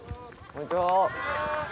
こんにちは。